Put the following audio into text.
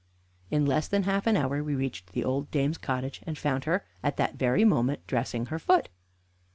In less than half an hour we reached the old dame's cottage, and found her at that very moment dressing her foot.